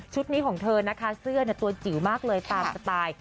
นี้ของเธอนะคะเสื้อตัวจิ๋วมากเลยตามสไตล์